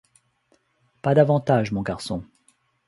Pas davantage, mon garçon.